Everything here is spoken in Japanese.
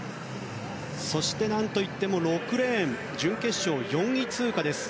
そして何といっても６レーン準決勝４位通過です。